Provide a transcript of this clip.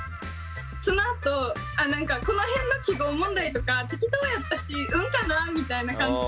そのあと「この辺の記号問題とか適当やったし運かな」みたいな感じで。